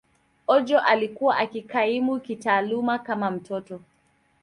Ojo alikuwa akikaimu kitaaluma kama mtoto.